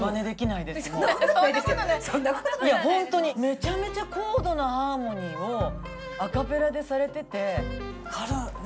いや本当にめちゃめちゃ高度なハーモニーをアカペラでされてて。